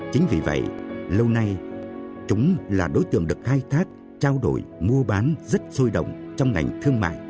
chính vì vậy lâu nay chúng là đối tượng được khai thác trao đổi mua bán rất sôi động trong ngành thương mại